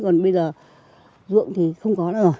còn bây giờ ruộng thì không có nữa